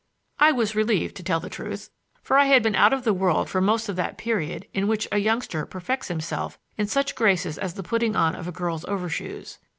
I was relieved, to tell the truth, for I had been out of the world for most of that period in which a youngster perfects himself in such graces as the putting on of a girl's overshoes.